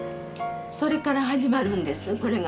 それから始まるんです